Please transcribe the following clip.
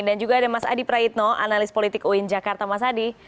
dan juga ada mas adi praitno analis politik uin jakarta mas adi